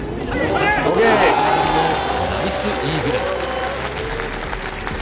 ナイスイーグル。